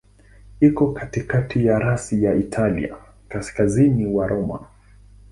Iko katikati ya rasi ya Italia, kaskazini kwa Roma.